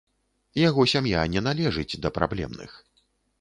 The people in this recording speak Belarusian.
Яго сям'я не належыць да праблемных.